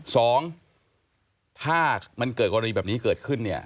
สองถ้ามันเกิดกรณีแบบนี้เกิดขึ้นเนี่ย